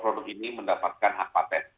produk ini mendapatkan hak patent